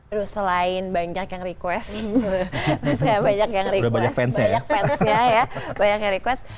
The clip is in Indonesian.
aduh selain banyak yang request banyak yang request banyak fansnya ya banyak yang request